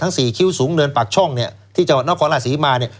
ทั้งสี่คิ้วสูงเนินปากช่องเนี้ยที่จังหวัดน้องขอราศีมาเนี้ย